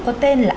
có tên là